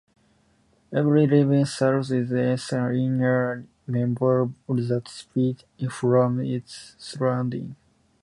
Every living cell is encased in a membrane that separates it from its surroundings.